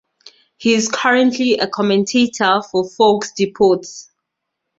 He's currently a commentator for Fox Deportes.